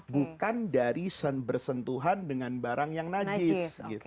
bukan dari bersentuhan dengan barang yang najis